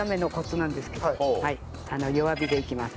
弱火でいきます。